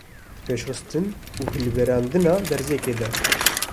di pêşxistin û hilberandina derziyekê de.